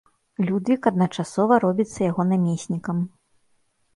Людвік адначасова робіцца яго намеснікам.